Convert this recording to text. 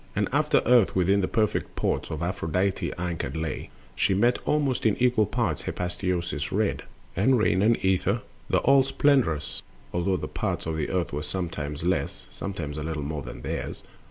98. And after Earth within the perfect ports Of Aphrodite anchored lay, she met Almost in equal parts Hephaestos red, And Rain and Ether, the all splendorous (Although the parts of Earth were sometimes less, Sometimes a little more than theirs).